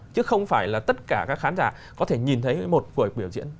chứ không phải là tất cả các khán giả có thể nhìn thấy một buổi biểu diễn